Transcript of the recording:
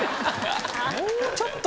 もうちょっと。